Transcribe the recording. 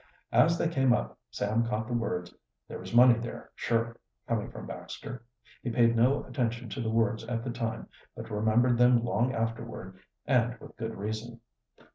As they came up, Sam caught the words, "There is money there, sure," coming from Baxter. He paid no attention to the words at the time, but remembered them long afterward, and with good reason.